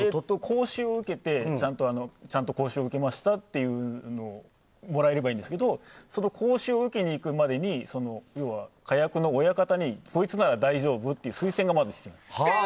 講習を受けてちゃんと講習を受けましたというのをもらえればいいんですけどその講習を受けに行くまでに要は、火薬の親方からこいつなら大丈夫という推薦がまず必要。